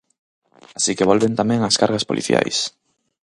Así que volven tamén as cargas policiais.